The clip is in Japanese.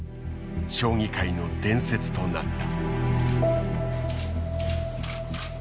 将棋界の伝説となった。